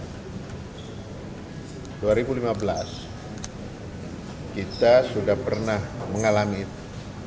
tahun dua ribu lima belas kita sudah pernah mengalami itu